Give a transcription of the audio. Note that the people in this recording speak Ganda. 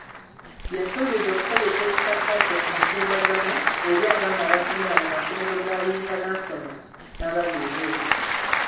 Yasuubiza okutegeka Ekisaakaate ku mutimbagano eri abaana abasomera mu masomero ga "Yintanansono" n'abali ebweru.